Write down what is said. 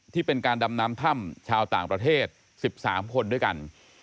ที่เป็นการดำน้ำถ้ำชาวต่างประเทศ๑๓คนด้วยกัน